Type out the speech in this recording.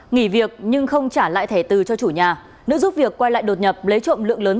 nghỉ việc nhưng không trả lại thẻ từ cho chủ nhà nữ giúp việc quay lại đột nhập lấy trộm lượng lớn